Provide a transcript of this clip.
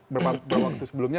berapa waktu sebelumnya